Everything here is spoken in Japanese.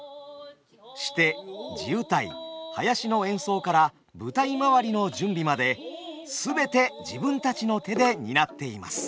シテ地謡囃子の演奏から舞台まわりの準備まで全て自分たちの手で担っています。